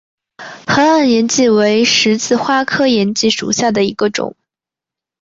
河岸岩荠为十字花科岩荠属下的一个种。